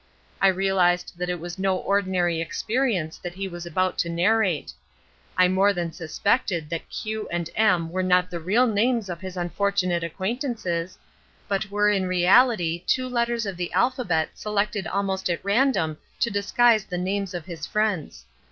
I realised that it was no ordinary experience that he was about to narrate. I more than suspected that Q and M were not the real names of his unfortunate acquaintances, but were in reality two letters of the alphabet selected almost at random to disguise the names of his friends.